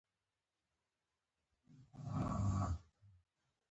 بیا توکي پلوري او بېرته یې په پیسو بدلوي